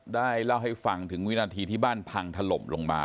ได้เล่าให้ฟังถึงวินาทีที่บ้านพังถล่มลงมา